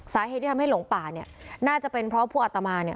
สาเหตุที่ทำให้หลงป่าเนี่ย